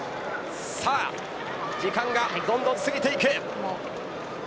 時間がどんどん過ぎていく。